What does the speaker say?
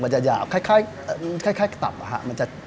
มันจะหยาบคล้ายตับครับ